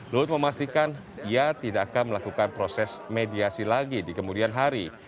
luhut memastikan ia tidak akan melakukan proses mediasi lagi di kemudian hari